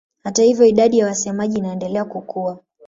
Hata hivyo idadi ya wasemaji inaendelea kukua.